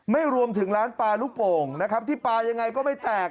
ไม่รวมถึงร้านปลาลูกโป่งนะครับที่ปลายังไงก็ไม่แตก